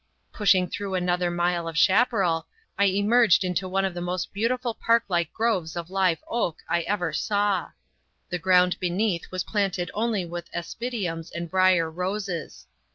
Pushing through another mile of chaparral, I emerged into one of the most beautiful parklike groves of live oak I ever saw. The ground beneath was planted only with aspidiums and brier roses.